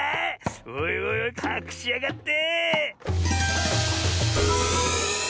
おいおいおいかくしやがって。